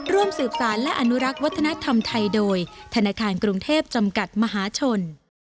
ร่วมสืบสารและอนุรักษ์วัฒนธรรมไทยโดยธนาคารกรุงเทพจำกัดมหาชน